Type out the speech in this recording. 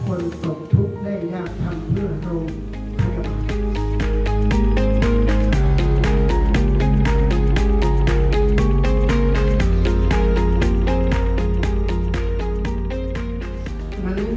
คนศพทุกข์ได้ยากทำเพื่อโรงศักดิ์กระป๋า